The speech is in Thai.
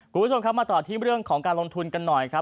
คุณผู้ชมครับมาต่อที่เรื่องของการลงทุนกันหน่อยครับ